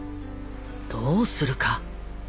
どうするか。